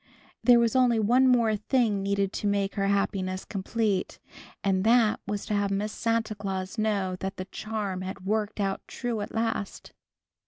There was only one more thing needed to make her happiness complete, and that was to have Miss Santa Claus know that the charm had worked out true at last.